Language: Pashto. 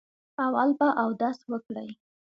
اول به اودس وکړئ.